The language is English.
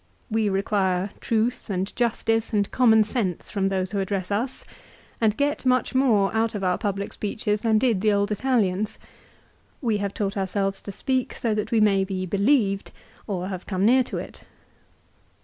We require truth, and justice, and common sense from those who address us, and get much more out of our public speeches than did the old Italians. We have taught ourselves to speak so that we may be believed, or have come near to it.